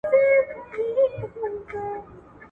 د هېواد په هره برخه کې وضع خرابه شوې وه.